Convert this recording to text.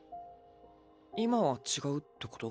今は違うってこと？